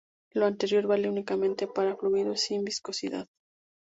Lo anterior vale únicamente para fluidos sin viscosidad.